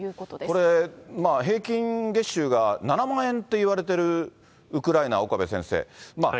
これ、平均月収が７万円といわれているウクライナ、岡部先生。